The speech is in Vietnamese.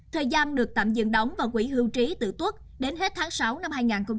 thời gian được tạm dừng đóng vào quỹ hưu trí tử tuất đến hết tháng sáu năm hai nghìn hai mươi